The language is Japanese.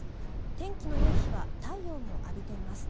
天気の良い日は太陽も浴びています。